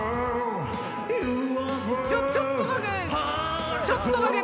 ちょっとだけちょっとだけ